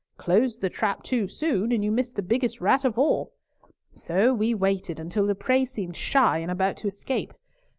Close the trap too soon, and you miss the biggest rat of all. So we waited until the prey seemed shy and about to escape.